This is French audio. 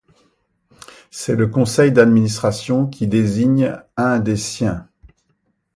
C'est le conseil d'administration qui désigne un des siens.